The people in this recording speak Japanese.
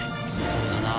そうだな。